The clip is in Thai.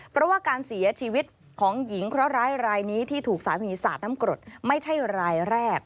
เพราะว่าการเสียชีวิตของหญิงเคราะหร้ายรายนี้ที่ถูกสามีสาดน้ำกรดไม่ใช่รายแรก